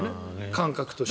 感覚として。